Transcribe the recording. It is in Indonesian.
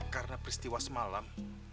karena peristiwa semalam